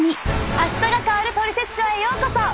「あしたが変わるトリセツショー」へようこそ！